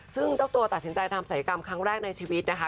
ซึ่งเจ้าตัวตัดสินใจทำศัยกรรมครั้งแรกในชีวิตนะคะ